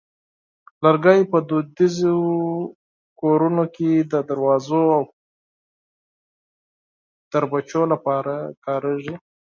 لرګی په دودیزو کورونو کې د دروازو او کړکیو لپاره کارېږي.